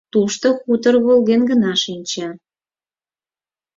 Тушто хутор волген гына шинча.